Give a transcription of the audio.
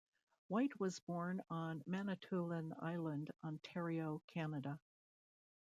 White was born on Manitoulin Island, Ontario, Canada.